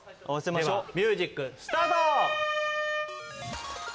ではミュージックスタート！